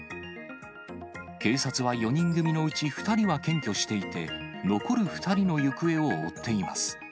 警察は４人組のうち２人は検挙していて、残る２人の行方を追っています。